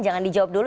jangan dijawab dulu